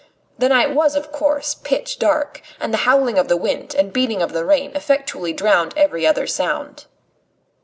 The night was, of course, pitch dark, and the howling of the wind and beating of the rain effectually drowned every other sound.